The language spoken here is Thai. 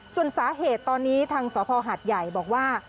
ส่วนสาเหตุตอนนี้ทางสภหัดใหญ่บอกว่า